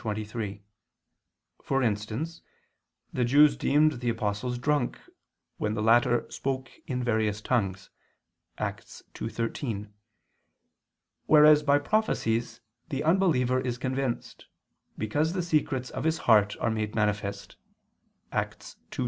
14:23), for instance the Jews deemed the apostles drunk when the latter spoke in various tongues (Acts 2:13): whereas by prophecies the unbeliever is convinced, because the secrets of his heart are made manifest (Acts 2:25).